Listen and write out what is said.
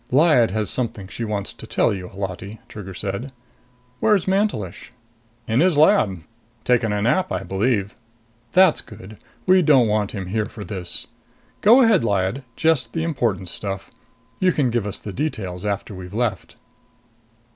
"Lyad has something she wants to tell you, Holati," Trigger said. "Where's Mantelish?" "In his lab. Taking a nap, I believe." "That's good. We don't want him here for this. Go ahead, Lyad. Just the important stuff. You can give us the details after we've left."